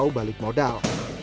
itu balik modal